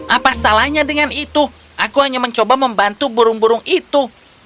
apa salahnya dengan itu aku hanya mencoba membantu burung burung itu